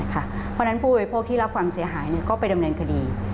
เพราะฉะนั้นผู้บริโภคที่รับความเสียหายก็ไปดำเนินคดี